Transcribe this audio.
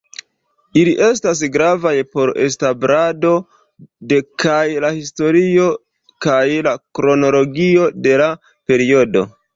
Ili estas gravaj por establado de kaj la historio kaj kronologio de la periodo.